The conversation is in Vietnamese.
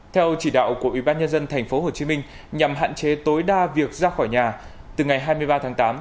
theo chỉ đạo của ubnd tp hcm nhằm hạn chế tối đa việc ra khỏi nhà từ ngày hai mươi ba tháng tám